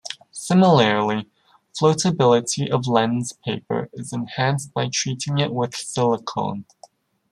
Similarly, floatability of lens paper is enhanced by treating it with silicone.